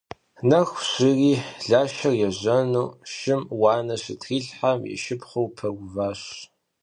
Нэху щыри, Лашэр ежьэну шым уанэ щытрилъхьэм, и шыпхъур пэуващ.